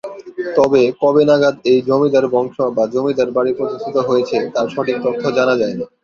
তবে কবে নাগাদ এই জমিদার বংশ বা জমিদার বাড়ি প্রতিষ্ঠিত হয়েছে তার সঠিক তথ্য জানা যায়নি।